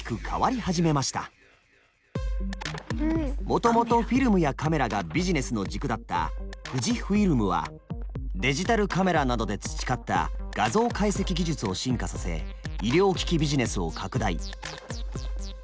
もともとフィルムやカメラがビジネスの軸だった富士フイルムはデジタルカメラなどで培った画像解析技術を進化させ医療機器ビジネスを拡大。